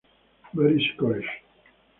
Mary's College.